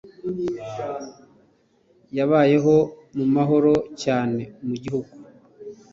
Yabayeho mu mahoro cyane mu gihugu.